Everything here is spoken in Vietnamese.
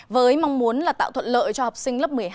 với mong muốn là tạo thuận lợi cho học sinh lớp một mươi hai